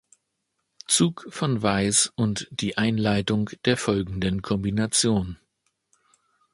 Zug von Weiß und die Einleitung der folgenden Kombination.